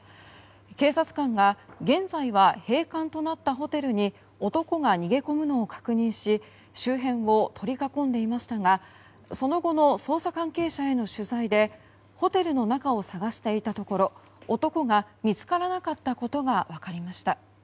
警察官が現在は閉館となったホテルに男が逃げ込むのを確認し周辺を取り囲んでいましたがその後の捜査関係者への取材でホテルの中を捜していたところ男が見つからなかったことが分かりました。